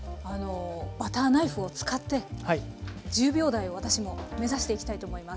バターナイフを使って１０秒台を私も目指していきたいと思います。